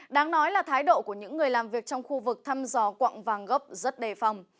đáng nói là thái độ của những người làm việc trong khu vực thăm dò quạng vàng gốc rất đề phòng